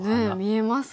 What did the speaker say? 見えます。